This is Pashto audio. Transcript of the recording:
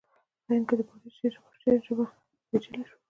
په هند کې د پارسي شعر ژبه پیچلې شوه